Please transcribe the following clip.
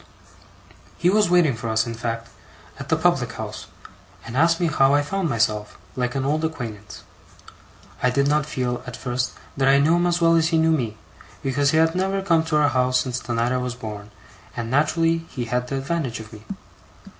He was waiting for us, in fact, at the public house; and asked me how I found myself, like an old acquaintance. I did not feel, at first, that I knew him as well as he knew me, because he had never come to our house since the night I was born, and naturally he had the advantage of me.